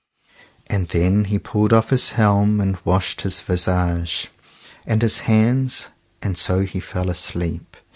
And then he pulled off his helm and washed his visage and his hands, and so he fell asleep.